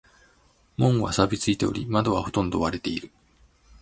門は錆びついており、窓はほとんど割れている。